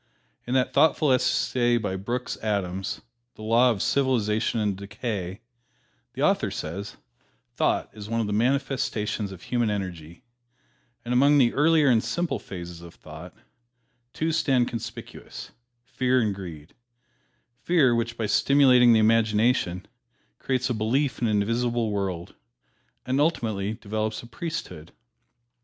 In that thoughtful essay by Brooks Adams, "The Law of Civilization and Decay," the author says, "Thought is one of the manifestations of human energy, and among the earlier and simpler phases of thought, two stand conspicuous Fear and Greed: Fear, which, by stimulating the imagination, creates a belief in an invisible world, and ultimately develops a priesthood."